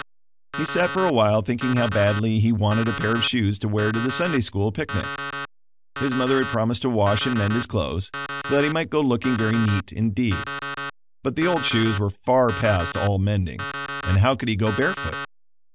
He sat for awhile thinking how badly he wanted a pair of shoes to wear to the Sunday School picnic. His mother had promised to wash and mend his clothes, so that he might go looking very neat indeed; but the old shoes were far past all mending and how could he go barefoot?